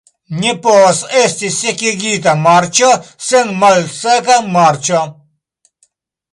Ne povas esti "sekigita marĉo" sen "malseka marĉo".